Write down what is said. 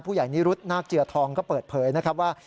ผู้ใหญ่นิรุธนาคเจียทองก็เปิดเผยนะครับว่า